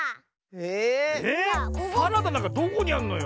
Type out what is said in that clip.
ええっ⁉サラダなんかどこにあんのよ？